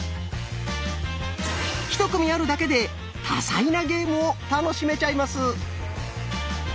１組あるだけで多彩なゲームを楽しめちゃいます。